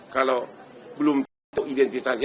kalau belum tentu identitasnya